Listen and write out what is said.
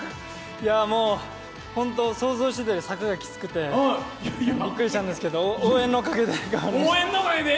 もう想像してたより坂がきつくてびっくりしたんですけど、応援のおかげで頑張れました。